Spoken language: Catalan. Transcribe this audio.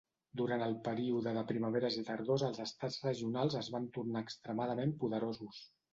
Durant el període de Primaveres i Tardors els estats regionals es van tornar extremadament poderosos.